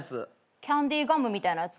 キャンディーガムみたいなやつ？